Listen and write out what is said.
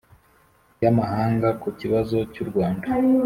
y'amahanga ku kibazo cy'u rwanda.